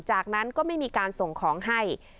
จากนั้นก็ไม่มีการส่งของให้